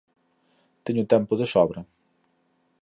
Teño tempo de sobra.